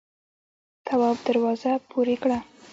تواب دروازه پورې کړه.